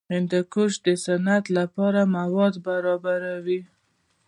هندوکش د صنعت لپاره مواد برابروي.